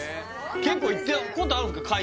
結構行ったことあるんですか？